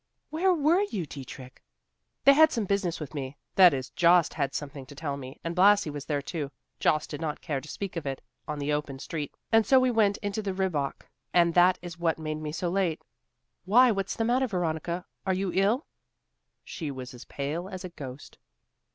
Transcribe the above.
"Where were you, Dietrich?" "They had some business with me; that is, Jost had something to tell me, and Blasi was there too. Jost did not care to speak of it on the open street, and so we went into the Rehbock; and that is what made me so late. Why, what's the matter, Veronica? Are you ill?" She was as pale as a ghost.